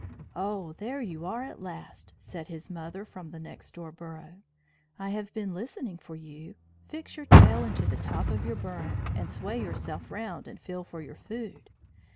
"Oh! there you are at last," said his mother from the next door burrow. "I have been listening for you. Fix your tail into the top of your burrow, and sway yourself round and feel for your food.